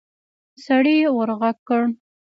سړي ورغږ کړ.